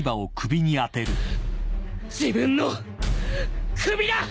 自分の首だ！